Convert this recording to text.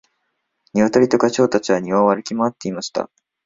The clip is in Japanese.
ニワトリとガチョウたちは庭を歩き回っていました。